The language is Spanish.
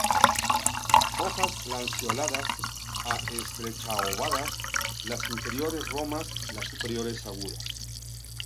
Hojas lanceoladas a estrechas-obovadas, las inferiores romas, las superiores agudas.